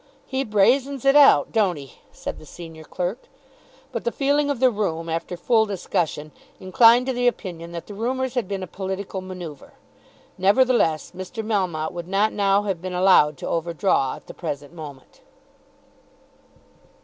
"He brazens it out, don't he?" said the senior clerk. But the feeling of the room after full discussion inclined to the opinion that the rumours had been a political manoeuvre. Nevertheless, Mr. Melmotte would not now have been allowed to overdraw at the present moment.